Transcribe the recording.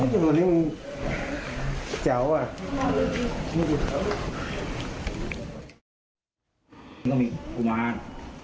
กุมาร